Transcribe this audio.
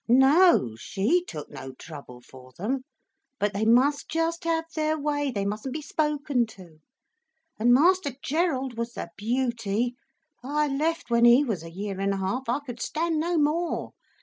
No, she took no trouble for them. But they must just have their way, they mustn't be spoken to. And Master Gerald was the beauty. I left when he was a year and a half, I could stand no more.